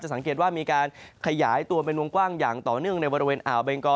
สังเกตว่ามีการขยายตัวเป็นวงกว้างอย่างต่อเนื่องในบริเวณอ่าวเบงกอ